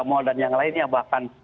mal dan yang lainnya bahkan